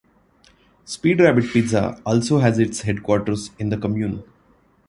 Speed Rabbit Pizza also has its headquarters in the commune.